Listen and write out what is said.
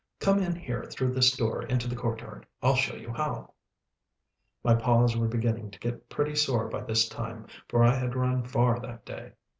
Come in here through this door into this courtyard. I'll show you how." My paws were beginning to get pretty sore by this time, for I had run far that day.